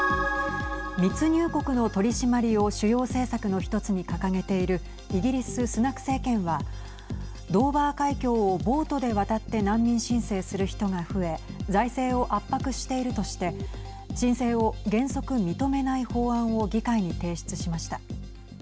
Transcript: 密入国の取締りを主要政策の１つに掲げているイギリス、スナク政権はドーバー海峡をボートで渡って難民申請する人が増え財政を圧迫しているとして申請を原則、認めない法案を議会に提出しました。